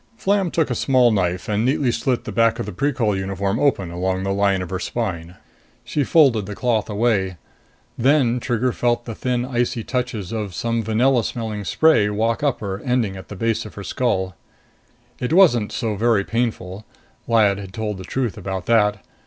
Flam took a small knife and neatly slit the back of the Precol uniform open along the line of her spine. She folded the cloth away. Then Trigger felt the thin icy touches of some vanilla smelling spray walk up her, ending at the base of her skull. It wasn't so very painful; Lyad had told the truth about that.